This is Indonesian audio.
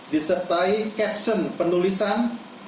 disertai caption penulisan